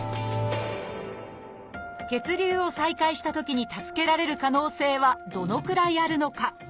血流を再開したときに助けられる可能性はどのくらいあるのか。